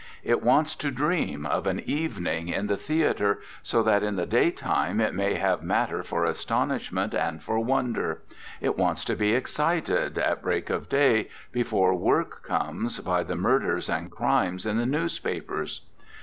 It wants to dream, of an evening, in the theatre, so that in the daytime it may have matter for astonishment and for wonder; it wants to be excited, at break of day, before work comes, by the mur ders and crimes in the newspapers.